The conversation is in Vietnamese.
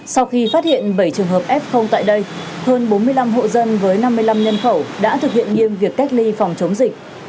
sau khi phát hiện bảy trường hợp f tại đây hơn bốn mươi năm hộ dân với năm mươi năm nhân khẩu đã thực hiện nghiêm việc cách ly phòng chống dịch